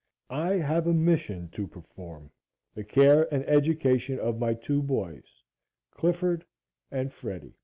I have a mission to perform the care and education of my two boys Clifford and Freddie.